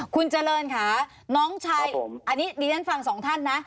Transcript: คุณเจริญค่ะน้องชายผมอันนี้ดิฉันฟังสองท่านนะ